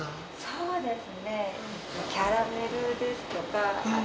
そうです。